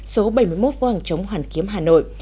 số bảy mươi một phố hàng chống hoàn kiếm hà nội